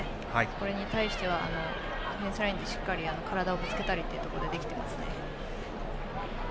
それに対してはディフェンスラインでしっかり体をぶつけたりとかができていますね。